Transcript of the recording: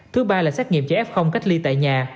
thứ ba là xét nghiệm cho f cách ly tại nhà